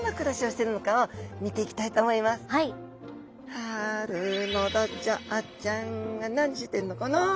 春のドジョウちゃんは何してるのかな？